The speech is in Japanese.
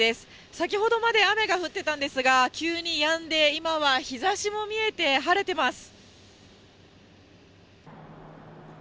先ほどまで雨が降ってたんですが、急にやんで、今は日ざしも見えて、晴れてます。